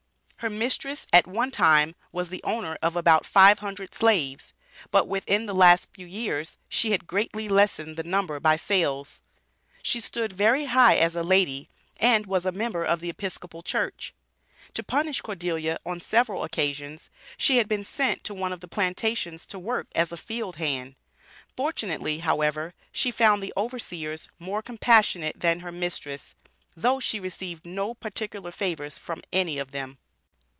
Her mistress, at one time, was the owner of about five hundred slaves, but within the last few years she had greatly lessened the number by sales. She stood very high as a lady, and was a member of the Episcopal Church. To punish Cordelia, on several occasions, she had been sent to one of the plantations to work as a field hand. Fortunately, however, she found the overseers more compassionate than her mistress, though she received no particular favors from any of them.